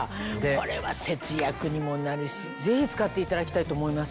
これは節約にもなるしぜひ使っていただきたいと思います。